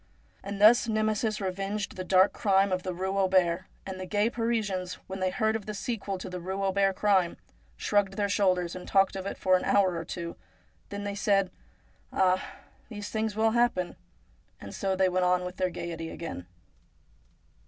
And thus Nemesis revenged the dark crime of the Eue Auber, and the gay Parisians, when they heard of the sequel to the Eue Auber crime, shrugged their shoulders, and talked of it for an hour or two ; then they said :' Ah, these things will happen !' and so they went on with their gaiety again.